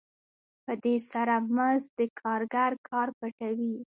په دې سره مزد د کارګر کار پټوي